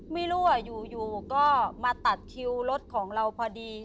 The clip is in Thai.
ไม่รู้ว่าอยู่ก็มาตัดคิวรถของเราพอดี